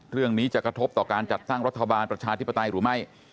เรื่องนี้จะกระทบต่อการจัดตั้งรัฐบาลประชาธิปไตยหรือไม่